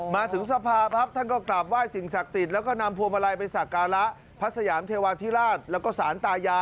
มาถึงสภาพท่านก็กลับไหว้สิ่งศักดิ์สิน